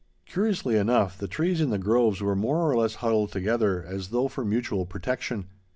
] Curiously enough, the trees in the groves were more or less huddled together, as though for mutual protection.